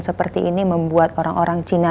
seperti ini membuat orang orang cina